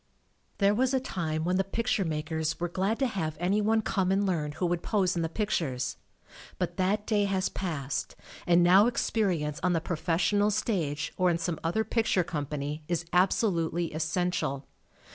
There was a time when the picture makers were glad to have any one come and learn who would pose in the pictures, but that day has passed, and now ex perience on the professional stage or in some other picture company is absolutely essential.